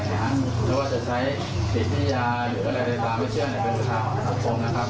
หรือว่าจะใช้พิธิญาหรืออะไรใดตามวิเชื่อเป็นยุทธาหรอสังคมนะครับ